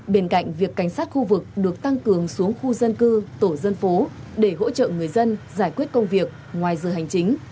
bên cạnh việc cảnh sát khu vực được tăng cường xuống khu dân cư tổ dân phố để hỗ trợ người dân giải quyết công việc ngoài giờ hành chính